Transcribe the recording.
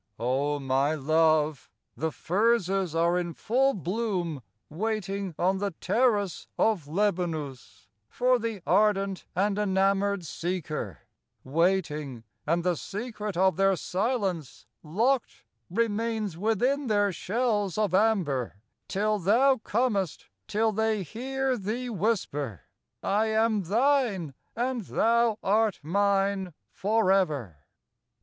O my Love, the furzes are in full bloom Waiting on the terrace of Lebanus For the ardent and enamored seeker,— Waiting, and the secret of their silence Locked remains within their shells of amber Till thou comest, till they hear thee whisper, I am thine and thou art mine forever.